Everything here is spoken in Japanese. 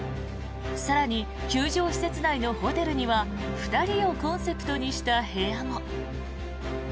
更に、球場施設内のホテルには２人をコンセプトにした部屋も。